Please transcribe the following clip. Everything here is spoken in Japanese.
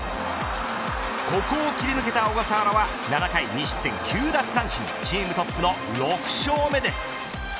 ここを切り抜けた小笠原は７回２失点９奪三振チームトップの６勝目です。